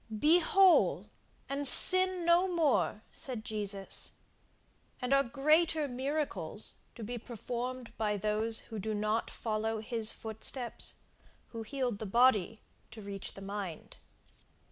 Be whole, and sin no more, said Jesus. And are greater miracles to be performed by those who do not follow his footsteps, who healed the body to reach the mind?